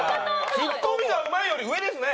「ツッコミが上手い」より上ですね！